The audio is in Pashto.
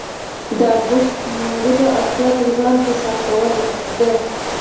د ارزښت موندلو اړتیا پر ځان حساب کول ده.